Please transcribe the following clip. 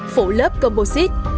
phụ lớp composite